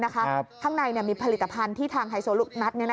ข้างในมีผลิตภัณฑ์ที่ทางไฮโซลูกนัด